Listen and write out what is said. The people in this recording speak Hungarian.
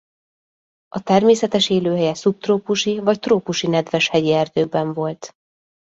A természetes élőhelye szubtrópusi vagy trópusi nedves hegyi erdőkben volt.